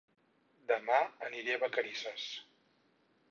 Dema aniré a Vacarisses